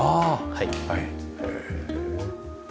はい。